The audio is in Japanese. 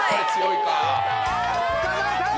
深澤さん